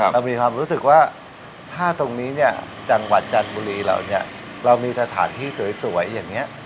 เรามีความรู้สึกว่าถ้าตรงนี้เนี่ยจังหวัดจันทบุรีเราเนี่ยเรามีสถานที่สวยอย่างนี้